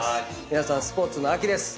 皆さんスポーツの秋です。